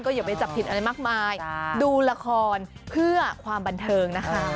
อย่าไปจับผิดอะไรมากมายดูละครเพื่อความบันเทิงนะคะ